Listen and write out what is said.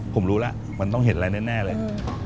ผมรู้แล้วมันต้องเห็นอะไรแน่เลย